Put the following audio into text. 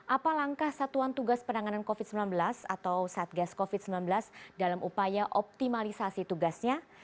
apa langkah satuan tugas penanganan covid sembilan belas atau satgas covid sembilan belas dalam upaya optimalisasi tugasnya